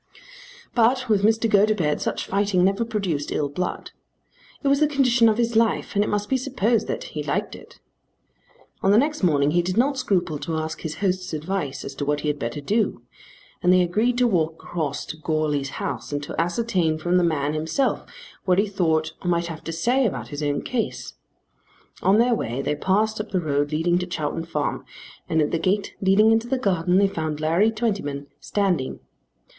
But with Mr. Gotobed such fighting never produced ill blood. It was the condition of his life, and it must be supposed that he liked it. On the next morning he did not scruple to ask his host's advice as to what he had better do, and they agreed to walk across to Goarly's house and to ascertain from the man himself what he thought or might have to say about his own case. On their way they passed up the road leading to Chowton Farm, and at the gate leading into the garden they found Larry Twentyman standing.